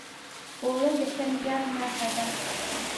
اوړه د ښه نیت نښه ده